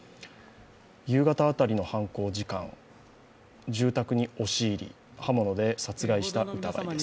夕方辺りの犯行時間、住宅に押し入り刃物で殺害した疑いです。